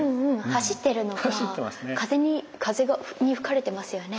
走ってるのか風に吹かれてますよね。